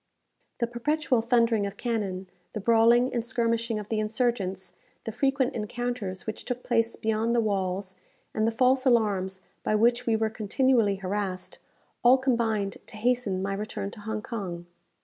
The perpetual thundering of cannon, the brawling and skirmishing of the insurgents, the frequent encounters which took place beyond the walls, and the false alarms by which we were continually harassed, all combined to hasten my return to Hong Kong.